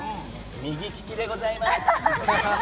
右利きでございます。